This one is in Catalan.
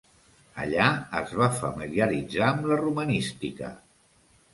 Allà es va familiaritzar amb la romanística.